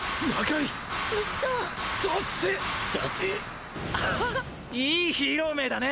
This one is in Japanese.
いいヒーロー名だね。